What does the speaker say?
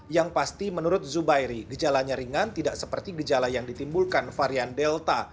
yang pasti menurut zubairi gejalanya ringan tidak seperti gejala yang ditimbulkan varian delta